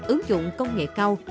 ứng dụng công nghệ cao